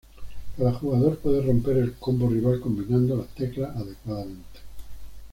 Cada jugador puede romper el combo rival combinando las teclas adecuadamente.